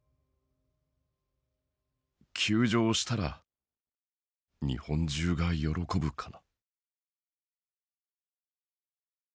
「休場したら日本中が喜ぶかな？」。